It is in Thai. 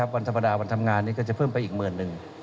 วันธรรมดาวันทำงานนี้ก็จะเพิ่มไปอีกหมื่นหนึ่ง